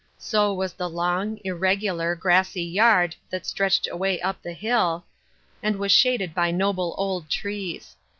So was the long, irregular, grassy yard that stretched away up the hill, and was shaded by noble old trees.